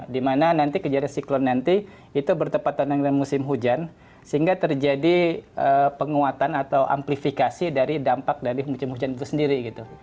dimana nanti kejadian siklon nanti itu bertepatan dengan musim hujan sehingga terjadi penguatan atau amplifikasi dari dampak dari musim hujan itu sendiri gitu